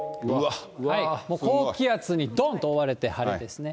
もう高気圧にどんと覆われて、晴れですね。